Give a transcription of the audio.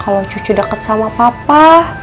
kalo cucu deket sama papa